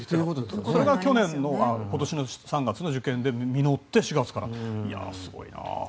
それが今年の３月の受験で実って４月から、すごいな。